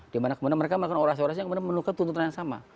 di mana mereka mereka orang orang yang menukar tuntutan yang sama